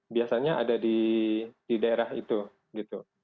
biasanya ada di daerah itu gitu